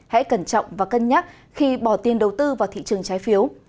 hãy cẩn trọng và cân nhắc khi bỏ tiền đầu tư vào thị trường trái phiếu